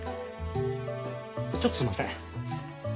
ちょっとすんません。